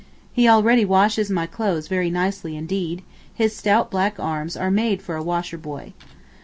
He already washes my clothes very nicely indeed; his stout black arms are made for a washer boy.